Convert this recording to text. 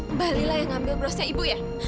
mbak lila yang ambil berusnya ibu ya